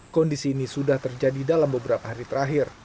kondisi ini sudah terjadi dalam beberapa hari terakhir